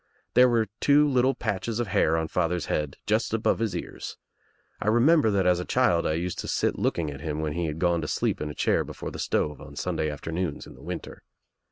There were two little patches of hair on father's head just above his ears. I remember that as a child I used to sit looking at him when he had gone to sleep in a chair before the stove on Sunday afternoons in the winter.